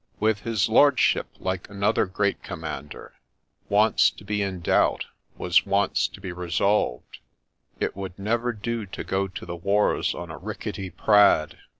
With his lordship, like another great commander, ' Once to be in doubt, was once to be resolved :' it would never do to go to the wars on a ricketty prad.